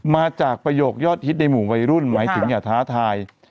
ประโยคยอดฮิตในหมู่วัยรุ่นหมายถึงอย่าท้าทาย